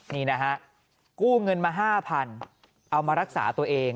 นี่นะฮะกู้เงินมา๕๐๐๐เอามารักษาตัวเอง